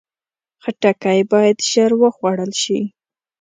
خټکی باید ژر وخوړل شي.